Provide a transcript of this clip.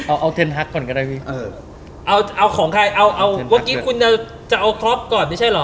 เอาเอาค่ะเอาเอาของใครเอาเอาเวื่อกี้คุณจะจะเอาก็แบบก่อนนี่ใช่เหรอ